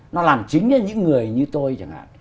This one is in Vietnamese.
nó làm chính những người như tôi chẳng hạn